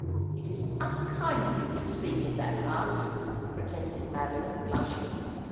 ' It is unkiiid of you to speak of that, aunt,' protested Madoline, blushing.